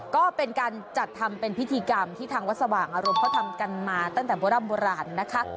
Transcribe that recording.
ก็เป็นการจัดทำเป็นพิธีกรรมที่ทางวัดสว่างอารมณ์เขาทำกันมาตั้งแต่โบร่ำโบราณนะคะ